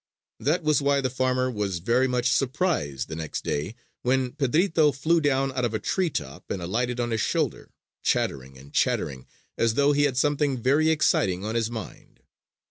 That was why the farmer was very much surprised the next day when Pedrito flew down out of a tree top and alighted on his shoulder, chattering and chattering as though he had something very exciting on his mind.